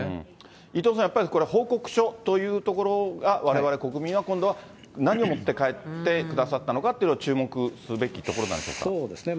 伊藤さん、やっぱりこれは報告書というところがわれわれ国民は今度は何を持って帰ってくださったのかというところを注目すべきところなんでそうですね。